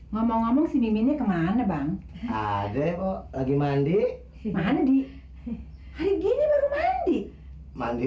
ngomong ngomong si mimin nya kemana bang ada lagi mandi mandi hari gini baru mandi mandi